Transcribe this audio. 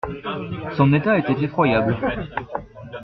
Son état était effroyable.